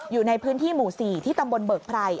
อยู่ในพื้นที่หมู่๔ที่ตำบลเบิกไพร